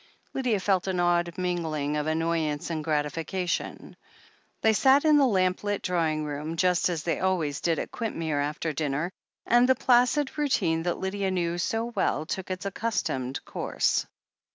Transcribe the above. Lydia felt an odd mingling of annoyance and grati fication. They sat in the lamp lit drawing room, just as they always did at Quintmere after dinner, and the placid routine that Lydia knew so well took its accustomed course.